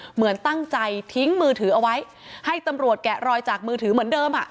เหมือนตั้งใจทิ้งมือถือเอาไว้ให้ตำรวจแกะรอยจากมือถือเหมือนเดิมอ่ะ